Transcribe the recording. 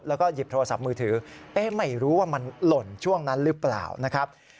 แล้วก็หยิบโทรศัพท์มือถือเอ๊ะไม่รู้ว่ามันหล่นช่วงนั้นหรือเปล่านะครับ